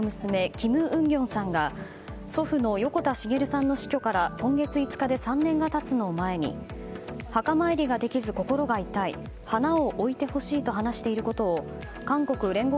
キム・ウンギョンさんが祖父の横田滋さんの死去から今月５日で３年が経つのを前に墓参りができず心が痛い花を置いてほしいと話していることを韓国聯合